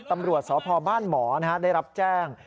ตำรวจสพบ้านหมอได้รับแจ้ง